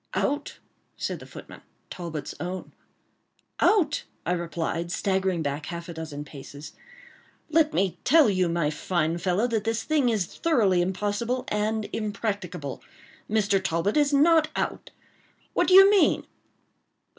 "Out," said the footman—Talbot's own. "Out!" I replied, staggering back half a dozen paces—"let me tell you, my fine fellow, that this thing is thoroughly impossible and impracticable; Mr. Talbot is not out. What do you mean?"